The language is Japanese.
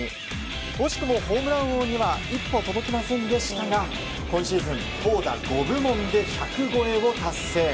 惜しくもホームラン王には一歩届きませんでしたが今シーズン投打５部門で１００超えを達成。